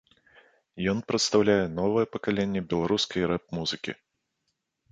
Ён прадстаўляе новае пакаленне беларускай рэп-музыкі.